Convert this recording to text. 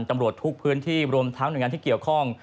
ตำรวจทุกพื้นที่รวมทั้งหน่วยงานที่เกี่ยวข้อง